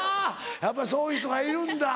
やっぱりそういう人がいるんだ。